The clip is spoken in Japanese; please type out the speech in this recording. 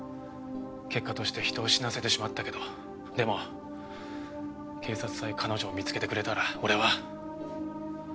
結果として人を死なせてしまったけどでも警察さえ彼女を見つけてくれたら俺は。